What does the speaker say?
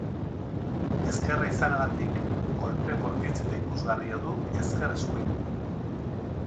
Ezkerra izanagatik, kolpe bortitz eta ikusgarria du ezker-eskuin.